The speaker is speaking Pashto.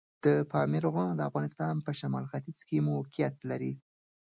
د پامیر غرونه د افغانستان په شمال ختیځ کې موقعیت لري.